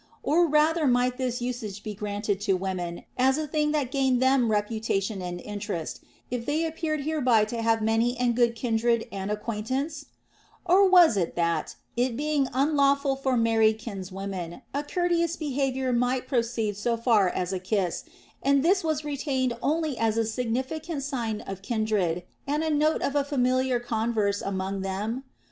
Or rather might this usage be granted to women as a thing that gained them reputation and interest, if they appeared hereby to have many and good kindred and acquaintance 1 Or was it that, it being unlawful to marry kinswomen, a courteous behavior might proceed so far as a kiss, and this was retained only as a significant sign of kindred and a note of a familiar converse among them